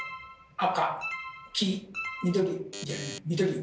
赤。